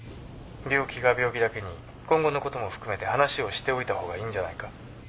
病気が病気だけに今後のことも含めて話をしておいたほうがいいんじゃないか？